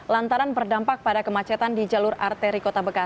lantaran berdampak pada kemacetan di jalur arteri